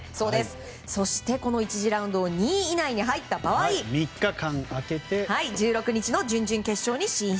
そして、この１次ラウンドでｒ２位以内に入った場合１６日の準々決勝に進出。